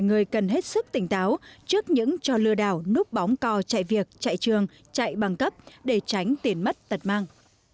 mọi người cần hết sức tỉnh táo trước những cho lừa đào núp bóng co chạy việc chạy trường chạy băng cấp để tránh tiền mất tật mang